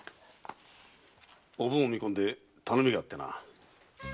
おぶんを見込んで頼みがあってな。